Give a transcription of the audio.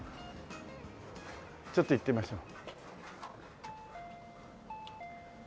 ちょっと行ってみましょう。